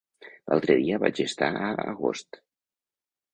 L'altre dia vaig estar a Agost.